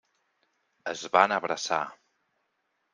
Es van abraçar.